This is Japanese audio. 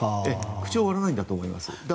口を割らないんだと思います。